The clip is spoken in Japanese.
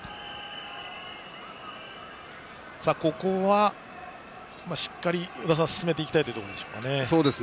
ここはしっかり、与田さん進めていきたいところでしょうか。